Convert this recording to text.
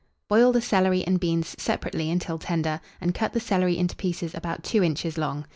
Boil the celery and beans separately until tender, and cut the celery into pieces about 2 inches long.